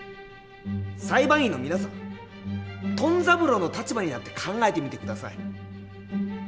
裁判員の皆さんトン三郎の立場になって考えてみて下さい。